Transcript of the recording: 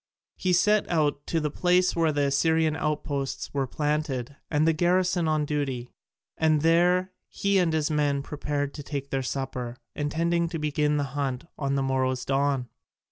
He set out to the place where the Assyrian outposts were planted and a garrison on duty, and there he and his men prepared to take their supper, intending to begin the hunt with the morrow's dawn.